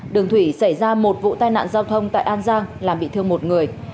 đường thủy xảy ra một vụ tai nạn giao thông tại an giang làm bị thương một người